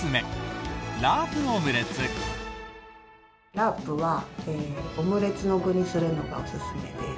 ラープはオムレツの具にするのがおすすめです。